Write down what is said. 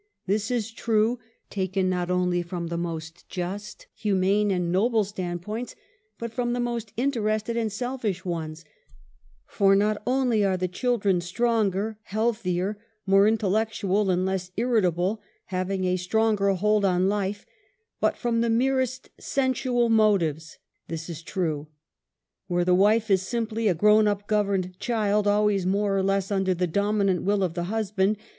This is true, taken not only from the most just, humane and noble standpoints, but from the most interested and selfish ones, for not only are the children stronger, healthier, more intellectual and less irritable, having a stronger hold on life, but from the merest sensual motives, this is true: where the wife is simj^ly a grown up governed child, always more or less under the dominant will of the husband